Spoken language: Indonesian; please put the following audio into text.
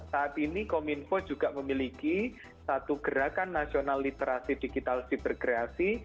saat ini kominfo juga memiliki satu gerakan nasional literasi digital siber kreasi